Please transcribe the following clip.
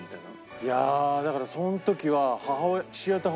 いやだからその時は。